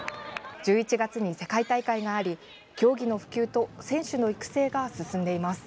１１月に世界大会があり競技の普及と選手の育成が進んでいます。